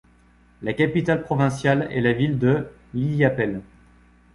La capitale provinciale est la ville de Illapel.